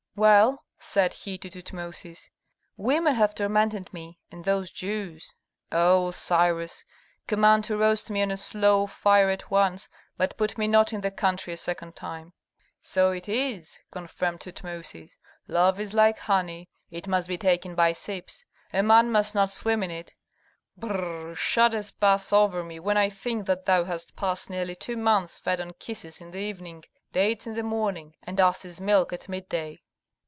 "Well," said he to Tutmosis, "women have tormented me, and those Jews O Cyrus! command to roast me on a slow fire at once, but put me not in the country a second time." "So it is," confirmed Tutmosis; "love is like honey. It must be taken by sips, a man must not swim in it. Brr! shudders pass over me when I think that thou hast passed nearly two months fed on kisses in the evening, dates in the morning, and asses' milk at midday."